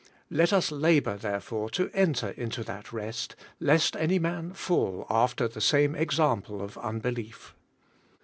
Let us labor therefore to enter into that rest, lest any man fall after the same example of un belief.